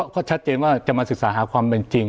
ก็ชัดเจนว่าจะมาศึกษาหาความเป็นจริง